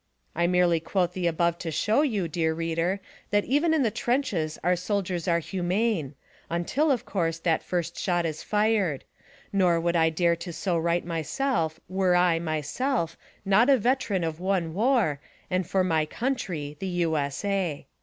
I merely quote the above to show you, dear reader, that even in the trenches SPY PROOF AMERICA our soldiers are humane— until, of course, that first shot is fired; nor would I dare to so write myself were I, myself, not a veteran of one war and for my country, the U. S. A.